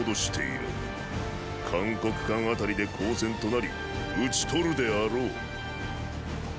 函谷関辺りで交戦となり討ち取るであろう。